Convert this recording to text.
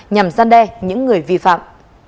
nhằm gian đe những người vi phạm